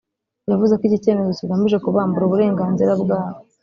yavuze ko iki cyemezo kigamije kubambura uburenganzira bwabo